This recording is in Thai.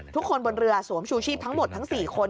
ทุกคนบนเรือสวมชูชีพทั้งหมดทั้ง๔คน